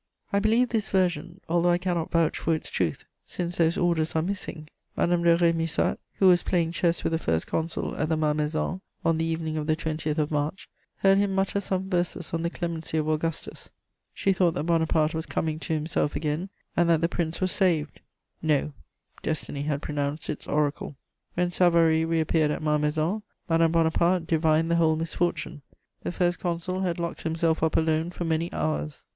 I believe this version, although I cannot vouch for its truth, since those orders are missing. Madame de Rémusat, who was playing chess with the First Consul at the Malmaison on the evening of the 20th of March, heard him mutter some verses on the clemency of Augustus; she thought that Bonaparte was coming to himself again and that the Prince was saved. No, destiny had pronounced its oracle! When Savary reappeared at Malmaison, Madame Bonaparte divined the whole misfortune. The First Consul had locked himself up alone for many hours.